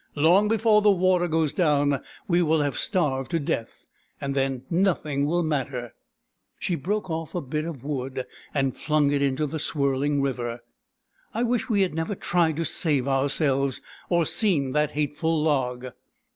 " Long before the water goes down we will have starved to death, and then nothing will matter." She broke off a bit of wood and flung it into the swirling river. " I 94 BOORAN, THE PELICAN wish we had never tried to save ourselves, or seen that hateful log